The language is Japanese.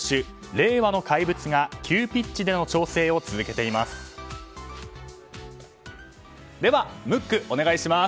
令和の怪物が急ピッチでの調整を続けています。